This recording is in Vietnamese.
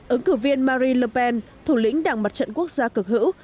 ứng cử viên marine le pen thủ lĩnh đảng mặt trận quốc gia cực hữu